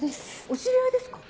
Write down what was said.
お知り合いですか？